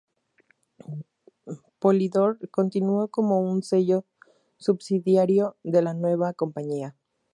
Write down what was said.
Polydor continuó como un sello subsidiario de la nueva compañía.